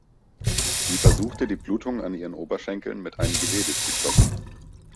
Sie versuchte, die Blutung an ihren Oberschenkeln mit einem Gewebe zu stoppen.